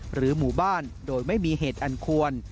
หรือหมู่บ้านโดยไม่มีเหตุอันควร